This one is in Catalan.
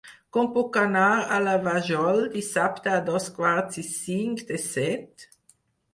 Com puc anar a la Vajol dissabte a dos quarts i cinc de set?